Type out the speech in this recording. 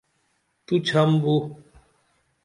تو ڇھم بو